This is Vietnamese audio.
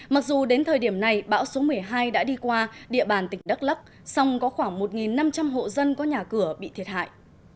mặc dù đến thời điểm này bão số một mươi hai đã đi qua địa bàn tỉnh đắk lắc song có khoảng một năm trăm linh hộ dân có nhà cửa bị thiệt hại